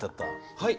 はい。